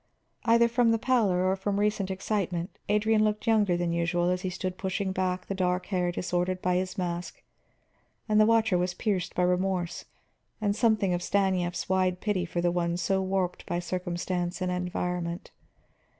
Either from the pallor or from recent excitement Adrian looked younger than usual as he stood pushing back the dark hair disordered by his mask, and the watcher was pierced by remorse and something of Stanief's wide pity for the one so warped by circumstance and environment.